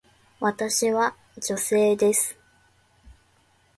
私は女性です。